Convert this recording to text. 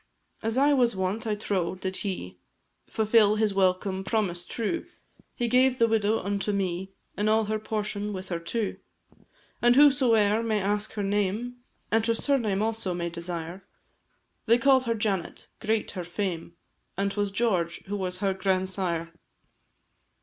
As was his wont, I trow, did he Fulfil his welcome promise true, He gave the widow unto me, And all her portion with her too; And whosoe'er may ask her name, And her surname also may desire, They call her Janet great her fame An' 'twas George who was her grandsire.